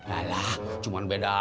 alah cuman beda